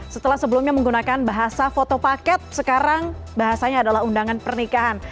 setelah sebelumnya menggunakan bahasa foto paket sekarang bahasanya adalah undangan pernikahan